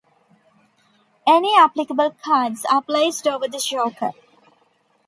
Any applicable cards are placed over the Joker.